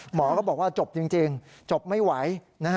หมอก็บอกว่าจบจริงจบไม่ไหว